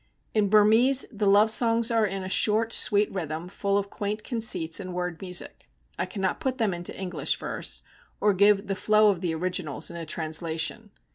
In Burmese the love songs are in a short, sweet rhythm, full of quaint conceits and word music. I cannot put them into English verse, or give the flow of the originals in a translation.